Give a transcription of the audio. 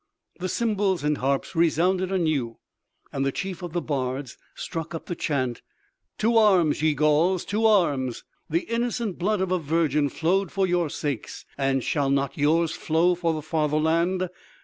The cymbals and harps resounded anew, and the chief of the bards struck up the chant: "To arms, ye Gauls, to arms! "The innocent blood of a virgin flowed for your sakes, and shall not yours flow for the fatherland!